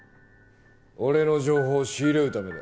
俺の情報を仕入れるためだ。